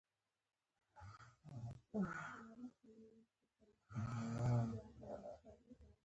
د وليانو او پيغمبرانو د زغم کيسې يې تېرې کړې.